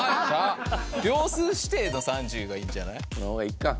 秒数指定の３０がいいんじゃない？の方がいいか。